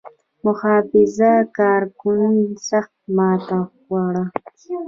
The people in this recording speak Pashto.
محافظه کار ګوند سخته ماته وخوړه.